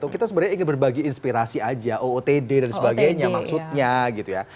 kita sebenarnya ingin berbagi inspirasi aja ootd dan sebagainya maksudnya gitu ya